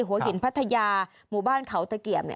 หัวหินพัทยาหมู่บ้านเขาเตะเกี่ยม